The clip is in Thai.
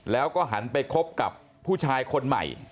แล้วก็หันไปคบกับผู้ชายคนใหม่